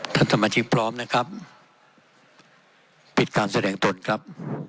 ท่านสมาชิกพร้อมนะครับปิดการแสดงตนครับ